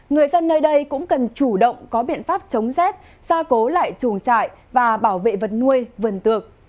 người dân nơi đây cũng cần chủ động có biện pháp chống rét ra cố lại trùng trại và bảo vệ vật nuôi vần tược